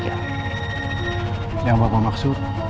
yang bapak maksud kasus pembunuhan atas nama orang bukan